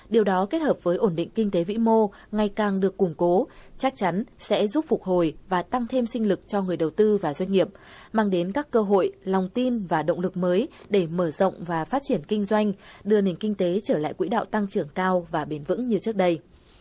điều đó kết hợp với ổn định kinh tế vĩ mô ngày càng được củng cố chắc chắn sẽ giúp phục hồi và tăng thêm sinh lực cho người đầu tư và doanh nghiệp mang đến các cơ hội lòng tin và động lực mới để mở rộng và phát triển kinh doanh đưa nền kinh tế trở lại quỹ đạo tăng trưởng cao và bền vững như trước đây